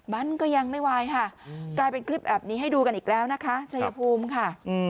มันก็ยังไม่ไหวค่ะกลายเป็นคลิปแบบนี้ให้ดูกันอีกแล้วนะคะชัยภูมิค่ะ